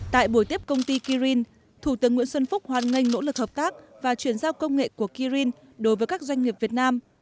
tại buổi tiếp công ty kirin thủ tướng nguyễn xuân phúc hoan nghênh nỗ lực hợp tác và chuyển giao công nghệ của kirin đối với các doanh nghiệp việt nam